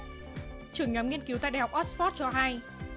trưởng nhóm nghiên cứu tại đại học oxford cho hay